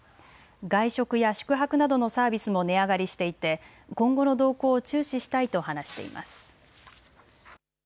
外食や宿泊などのサービスも値上がりしていて今後の動向を注視したいと話しています。